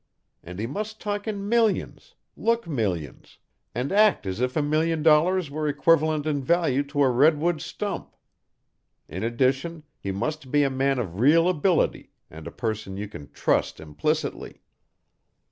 And he must talk in millions, look millions, and act as if a million dollars were equivalent in value to a redwood stump. In addition, he must be a man of real ability and a person you can trust implicitly."